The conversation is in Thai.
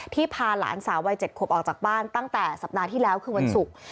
พาหลานสาววัย๗ขวบออกจากบ้านตั้งแต่สัปดาห์ที่แล้วคือวันศุกร์